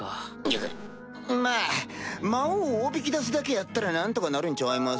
うっまぁ魔王をおびき出すだけやったら何とかなるんちゃいます？